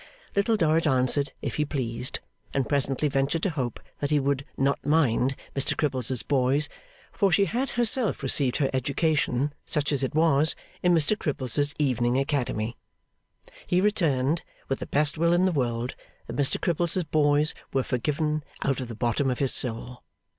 Little Dorrit answered, if he pleased, and presently ventured to hope that he would 'not mind' Mr Cripples's boys, for she had herself received her education, such as it was, in Mr Cripples's evening academy. He returned, with the best will in the world, that Mr Cripples's boys were forgiven out of the bottom of his soul.